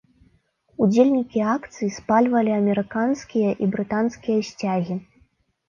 Удзельнікі акцый спальвалі амерыканскія і брытанскія сцягі.